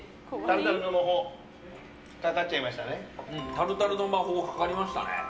タルタルの魔法かかりましたね。